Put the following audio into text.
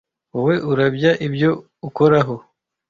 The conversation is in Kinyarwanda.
wowe urabya ibyo ukoraho